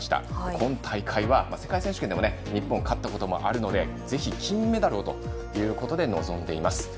今大会は世界選手権でも日本、勝ったことがあるのでぜひ金メダルをということで臨んでいます。